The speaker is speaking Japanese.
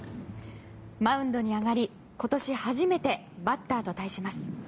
マウンドに上がり今年初めてバッターと対します。